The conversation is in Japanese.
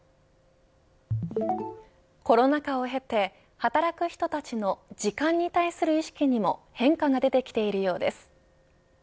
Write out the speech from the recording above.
コロナ禍を経て働く人たちの時間に対する意識にも変化が出てきているようです。